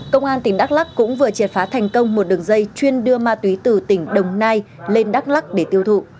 công an tỉnh đắk lắc cũng vừa triệt phá thành công một đường dây chuyên đưa ma túy từ tỉnh đồng nai lên đắk lắc để tiêu thụ